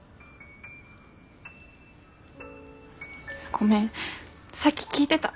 ごめんさっき聞いてた。